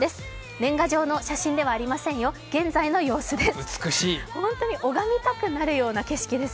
年賀状の写真ではありませんよ、現在の様子です。